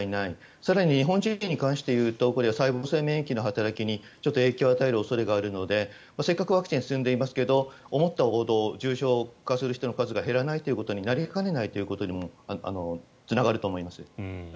更に日本人で言うとこれは細胞性免疫の働きにちょっと影響を与える可能性があるのでせっかくワクチン進んでますが思ったほど重症化する人の数が減らないということになりかねないということにもつながると思います。